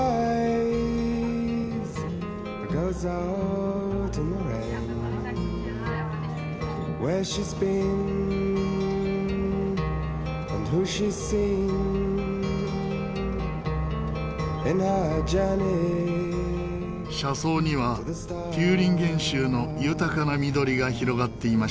車窓にはテューリンゲン州の豊かな緑が広がっていました。